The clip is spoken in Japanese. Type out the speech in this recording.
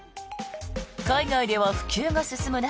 海外では普及が進む中